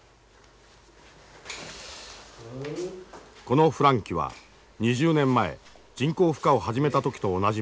この孵卵器は２０年前人工孵化を始めた時と同じものだ。